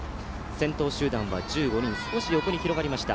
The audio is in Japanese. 先頭集団は１５人、少し横に広がりました。